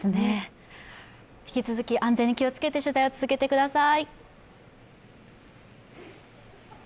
引き続き安全に気を付けて取材を続けてください。